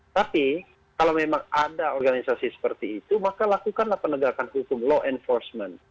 tapi kalau memang ada organisasi seperti itu maka lakukanlah penegakan hukum law enforcement